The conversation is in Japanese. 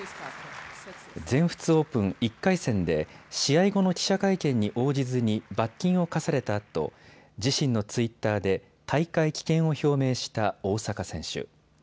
全仏オープン１回戦で試合後の記者会見に応じずに罰金を科されたあと自身のツイッターで大会棄権を表明した大坂選手。